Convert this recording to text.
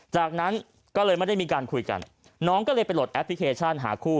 จากนั้นก็เลยไม่ได้มีการคุยกันน้องก็เลยไปโหลดแอปพลิเคชันหาคู่